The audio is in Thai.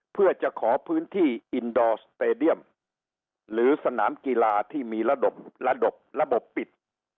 เพื่อจะขอพื้นที่อินดอร์สเตดียมหรือสนามกีฬาที่มีระบบระบบปิด